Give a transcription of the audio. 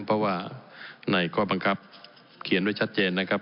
เพราะว่าในข้อบังคับเขียนไว้ชัดเจนนะครับ